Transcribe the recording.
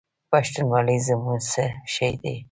پښتونولي زموږ څه شی دی؟